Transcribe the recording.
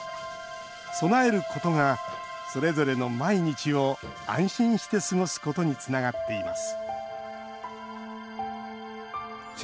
備えることがそれぞれの毎日を安心して過ごすことにつながっています